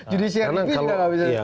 judicial tv juga nggak bisa